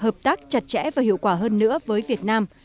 hợp tác chặt chẽ và hiệu quả hơn nữa với việt nam